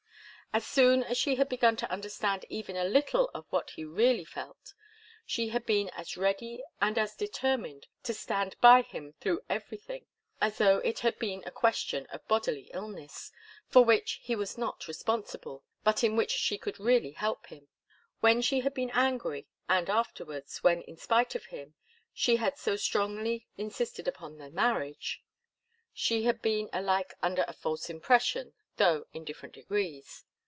As soon as she had begun to understand even a little of what he really felt, she had been as ready and as determined to stand by him through everything as though it had been a question of a bodily illness, for which he was not responsible, but in which she could really help him. When she had been angry, and afterwards, when, in spite of him, she had so strongly insisted upon the marriage, she had been alike under a false impression, though in different degrees.